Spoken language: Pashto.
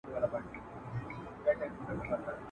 خدای ته آساني پرې کړي غاړي ..